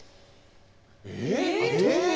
えっ！